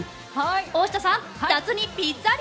大下さん、夏にぴっつぁり！